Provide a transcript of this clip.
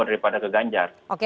daripada ke ganjar